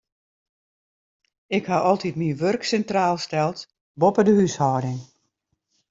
Ik ha altyd myn wurk sintraal steld, boppe de húshâlding.